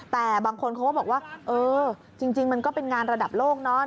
แต่บางคนเขาก็บอกว่าเออจริงมันก็เป็นงานระดับโลกเนอะ